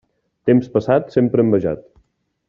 Temps passat, sempre envejat.